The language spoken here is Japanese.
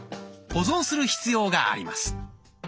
保存する必要があります。